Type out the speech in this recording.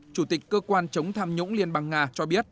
chủ tịch cơ quan chống tham nhũng liên bang nga cho biết